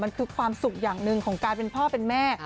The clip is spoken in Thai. มันคือความสุขอย่างหนึ่งของการเป็นพ่อเป็นแม่